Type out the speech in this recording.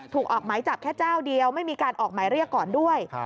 ออกหมายจับแค่เจ้าเดียวไม่มีการออกหมายเรียกก่อนด้วย